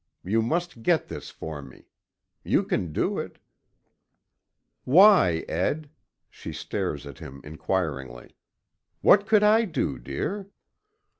You must get this for me. You can do it " "Why, Ed? " She stares at him inquiringly. "What could I do, dear?"